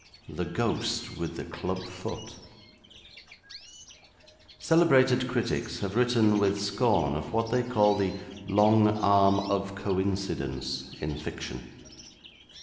The Ghost with the Club Foot Celebrated critics have written with scorn of what they call 'the long arm of coincidence' in fiction.